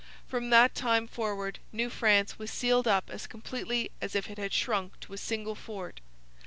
From that time forward New France was sealed up as completely as if it had shrunk to a single fort.